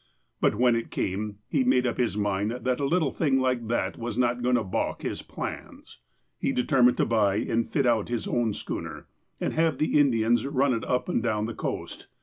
But when it came, he made up his mind that a little thing like that was not to baulk his plans. He determined to buy and fit out his own schooner, and have the Indians run it up and down the coast.